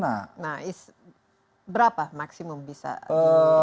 nah berapa maksimum bisa